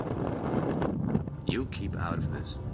You keep out of this.